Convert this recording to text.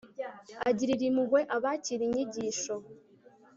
agirira impuhwe abakira inyigisho